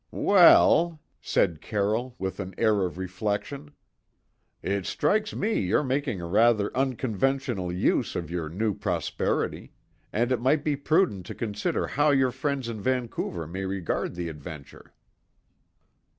"Well," said Carroll with an air of reflection, "it strikes me you're making a rather unconventional use of your new prosperity, and it might be prudent to consider how your friends in Vancouver may regard the adventure."